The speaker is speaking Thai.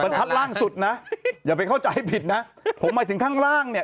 มันพัดล่างสุดนะอย่าไปเข้าใจผิดนะผมหมายถึงข้างล่างเนี่ย